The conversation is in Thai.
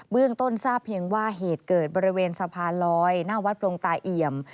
เรื่องต้นทราบเพียงว่าเหตุเกิดบริเวณสะพานลอยหน้าวัดโปรงตาเอี่ยม